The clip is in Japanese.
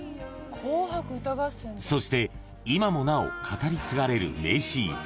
［そして今もなお語り継がれる名シーン。